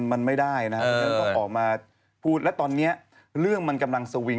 มันไม่ได้นะมันก็ออกมาพูดแล้วตอนนี้เรื่องมันกำลังสวิง